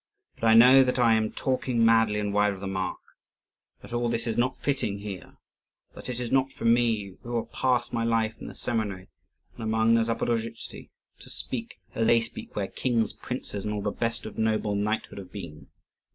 But I know that I am talking madly and wide of the mark; that all this is not fitting here; that it is not for me, who have passed my life in the seminary and among the Zaporozhtzi, to speak as they speak where kings, princes, and all the best of noble knighthood have been.